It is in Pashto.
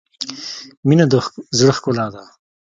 • مینه د زړۀ ښکلا ده.